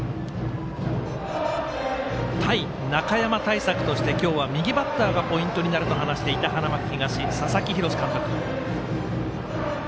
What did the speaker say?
対中山対策として今日は右バッターがポイントになると話していた花巻東佐々木洋監督。